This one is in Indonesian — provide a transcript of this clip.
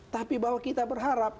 tapi bahwa kita berharap